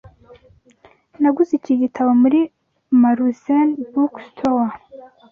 Naguze iki gitabo muri Maruzen Bookstore.